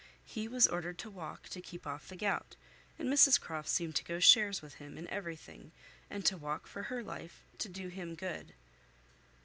He was ordered to walk to keep off the gout, and Mrs Croft seemed to go shares with him in everything, and to walk for her life to do him good.